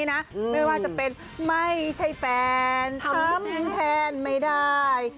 ไม่ว่าจะเป็นไม่ใช่แฟนทำแทนไม่ได้